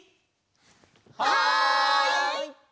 はい！